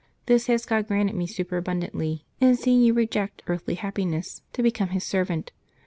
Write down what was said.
This has God granted me supera bundantly in seeing you reject earthly happiness to become His servant.